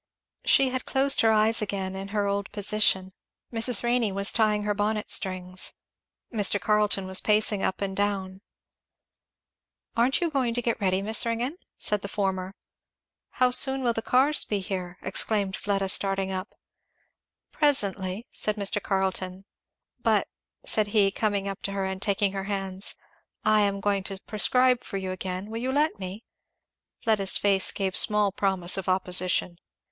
She had closed her eyes again in her old position. Mrs. Renney was tying her bonnet strings. Mr. Carleton was pacing up and down. "Aren't you going to get ready, Miss Ringgan?" said the former. "How soon will the cars be here?" exclaimed Fleda starting up. "Presently," said Mr. Carleton; "but," said he, coming up to her and taking her hands, "I am going to prescribe for you again will you let me?" Fleda's face gave small promise of opposition.